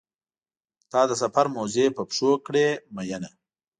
تا د سفر موزې په پښو کړې مینه.